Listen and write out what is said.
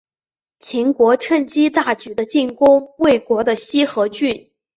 秦国趁机大举的进攻魏国的西河郡。